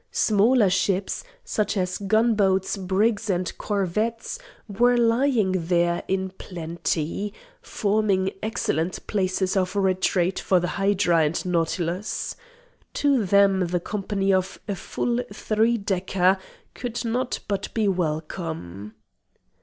Smaller ships, such as gunboats, brigs and corvettes, were lying there in plenty, forming excellent places of retreat for the hydra and nautilus. To them the company of a full three decker could not but be welcome.